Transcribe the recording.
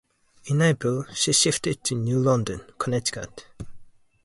In April she shifted to New London, Connecticut.